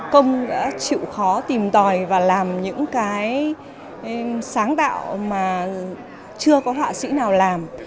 công đã chịu khó tìm tòi và làm những cái sáng tạo mà chưa có họa sĩ nào làm